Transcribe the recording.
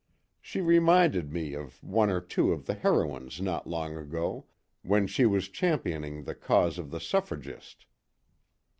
She reminded me of one or two of the heroines not long ago, when she was championing the cause of the suffragist."